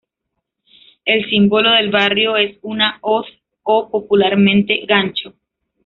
El símbolo del barrio es una hoz o, popularmente, "gancho".